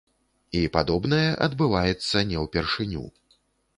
І падобнае адбываецца не ўпершыню.